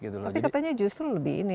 tapi katanya justru lebih ini